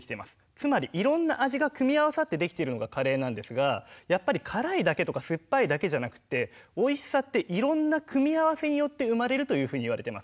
つまりいろんな味が組み合わさってできているのがカレーなんですがやっぱり辛いだけとかすっぱいだけじゃなくっておいしさっていろんな組み合わせによって生まれるというふうにいわれてます。